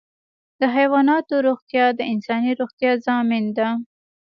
د حیواناتو روغتیا د انساني روغتیا ضامن ده.